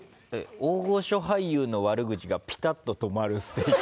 大御所俳優の悪口がピタッと止まるステーキ。